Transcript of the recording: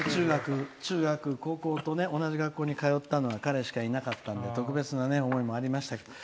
中学、高校とね同じ学校に通ったのは彼しかいなかったので特別な思いもありました。